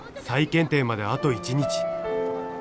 再検定まであと１日。